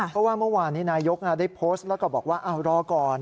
เพราะว่าเมื่อวานนี้นายกได้โพสต์แล้วก็บอกว่ารอก่อน